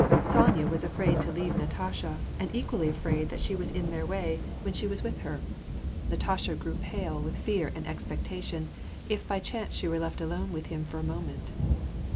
Sonya was afraid to leave Natasha, and ec^ually afraid that she was in their way, when 224 WAR AND PEACE. she was with her. Natasha grew pale with fear and expecta tion, if by chance she were left alone with him for a moment.